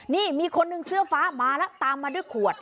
นี่มีคนหนึ่งเสื้อฟ้ามาแล้วตามมาด้วยขวด